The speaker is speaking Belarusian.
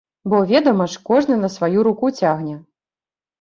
Бо, ведама ж, кожны на сваю руку цягне!